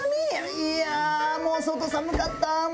いや外寒かった。